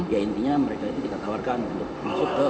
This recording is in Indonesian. ya intinya mereka itu kita tawarkan untuk masuk ke